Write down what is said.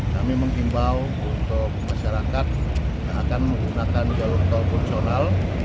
kami mengimbau untuk masyarakat yang akan menggunakan jalur tol fungsional